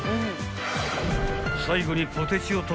［最後に］